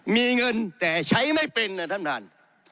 มีเงินแต่ใช้ไม่เป็นนะท่านท่าน